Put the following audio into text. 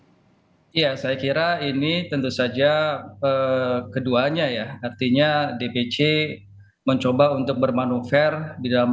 iya saya kira ini tentu saja keduanya ya artinya dpc mencoba untuk bermanuver di dalam